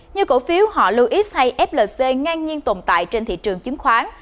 như cổ phiếu họ luis hay flc ngang nhiên tồn tại trên thị trường chứng khoán